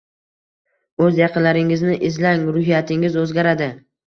O‘z yaqinlaringizni izlang, ruhiyatingiz o‘zgaradi.